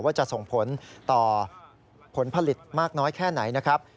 ว่าจะส่งผลต่อผลผลิตมากน้อยแค่ไหนนะครับ